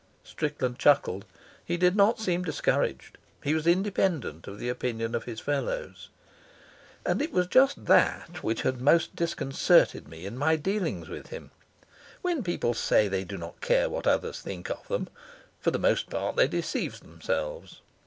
Strickland chuckled. He did not seem discouraged. He was independent of the opinion of his fellows. And it was just that which had most disconcerted me in my dealings with him. When people say they do not care what others think of them, for the most part they deceive themselves.